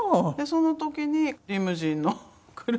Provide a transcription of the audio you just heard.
その時にリムジンの車の。